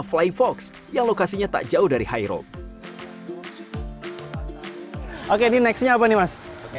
flyfox yang lokasinya tak jauh dari highroll oke di nextnya apa nih mas